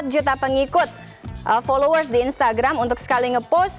empat juta pengikut followers di instagram untuk sekali ngepost